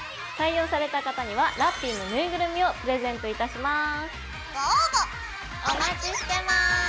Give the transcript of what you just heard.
採用された方にはラッピィのぬいぐるみをプレゼントいたします。